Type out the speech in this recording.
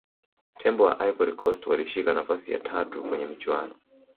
tembo wa ivory coast walishika nafasi ya tatu kwenye michuano